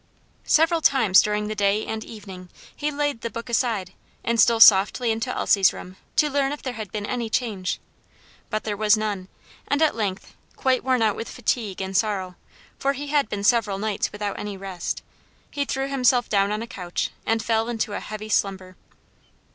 Several times during the day and evening he laid the book aside, and stole softly into Elsie's room to learn if there had been any change; but there was none, and at length, quite worn out with fatigue and sorrow for he had been several nights without any rest he threw himself down on a couch, and fell into a heavy slumber.